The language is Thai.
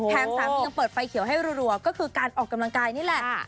สามียังเปิดไฟเขียวให้รัวก็คือการออกกำลังกายนี่แหละ